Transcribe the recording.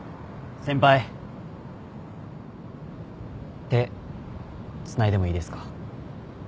先輩手つないでもいいですか？